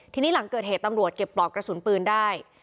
ทีนี้หลังเกิดเหตุตำรวจเก็บปลอกกระสุนปืนได้